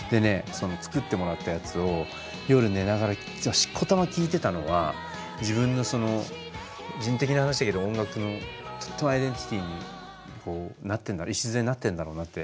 その作ってもらったやつを夜寝ながらしこたま聴いてたのは自分の個人的な話だけど音楽のとってもアイデンティティーになってんだ礎になってるんだろうなって。